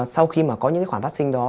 sau khi mà có những cái khoản phát sinh đó